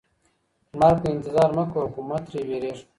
مرګ ته انتظار مه کوه خو مه ترې ویریږه.